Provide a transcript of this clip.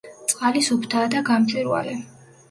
წყალი სუფთაა და გამჭვირვალე.